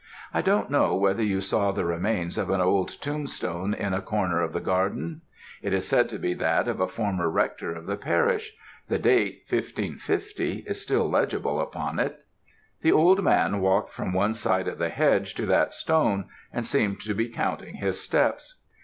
I don't know whether you saw the remains of an old tombstone in a corner of the garden? It is said to be that of a former rector of the parish; the date, 1550, is still legible upon it. The old man walked from one side of the hedge to that stone, and seemed to be counting his steps.